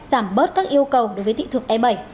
giảm bớt các yêu cầu đối với thị thực e bảy